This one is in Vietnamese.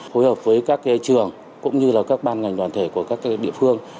hối hợp với các cái trường cũng như là các ban ngành đoàn thể của các cái địa phương